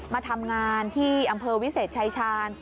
มาทำงานที่อำเภอวิเศษชายชาญ